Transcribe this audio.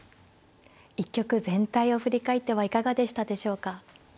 一局全体を振り返ってはいかがでしたでしょうか。